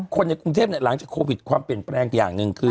คนในกรุงเทพหลังจากโควิดความเปลี่ยนแปลงอย่างหนึ่งคือ